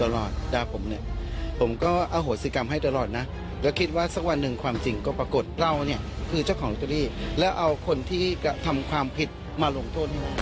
เราเนี่ยคือเจ้าของลอตเตอรี่แล้วเอาคนที่กะทำความผิดมาหลงโทษให้มอง